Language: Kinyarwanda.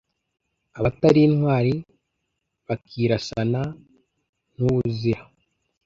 abatali intwali bakirasana "ntuwuzira"